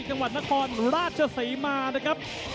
จังหวัดนครราชศรีมานะครับ